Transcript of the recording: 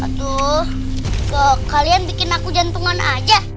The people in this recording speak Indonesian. aduh kalian bikin aku jantungan aja